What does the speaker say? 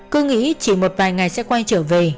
cứ nghĩ chỉ một vài ngày sẽ quay trở về